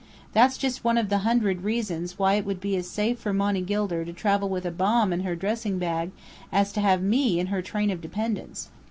That's just one of the hundred reasons why it would be as safe for Monny Gilder to travel with a bomb in her dressing bag as to have me in her train of dependants.